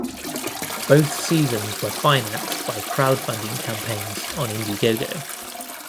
Both seasons were financed by crowdfunding campaigns on Indiegogo.